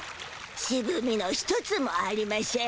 シブみの一つもありましぇん。